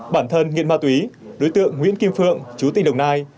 bản thân nghiện ma túy đối tượng nguyễn kim phượng chủ tịch đồng nai